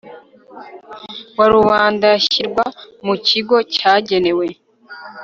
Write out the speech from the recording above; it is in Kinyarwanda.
wa rubanda yashyirwa mu kigo cyagenewe